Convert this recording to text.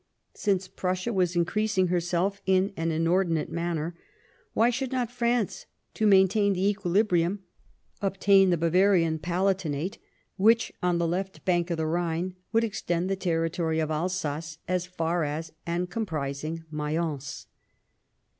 Since Prussia was in creasing herself in an inordinate manner, why should not France, to maintain the equilibrium, obtain the Bavarian Palatinate, which, on the left bank of the Rhine, would extend the territory of Alsace as far as, and comprising, Mayence